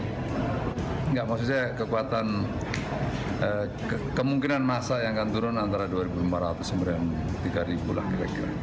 tidak maksud saya kekuatan kemungkinan masa yang akan turun antara dua lima ratus sampai tiga ribu lah kira kira